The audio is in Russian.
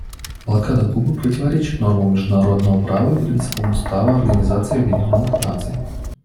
Блокада Кубы противоречит нормам международного права и принципам Устава Организации Объединенных Наций.